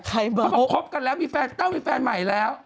เขาบอกครบกันแล้วต้องมีแฟนใหม่แล้ว